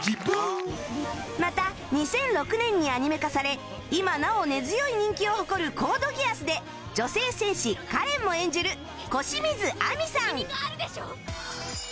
また２００６年にアニメ化され今なお根強い人気を誇る『コードギアス』で女性戦士カレンも演じる小清水亜美さん